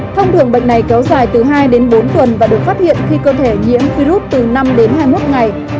thông đường bệnh này kéo dài từ hai đến bốn tuần và được phát hiện khi cơ thể nhiễm virus từ năm đến hai mươi một ngày